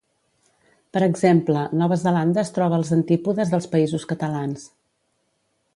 Per exemple, Nova Zelanda es troba als antípodes dels Països Catalans.